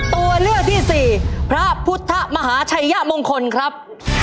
ตัวเลือกที่สี่พระพุทธมหาชัยมงคลครับ